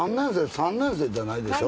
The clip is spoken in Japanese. ３年生じゃないでしょ？